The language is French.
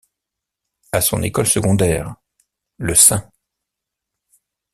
À son école secondaire - le St.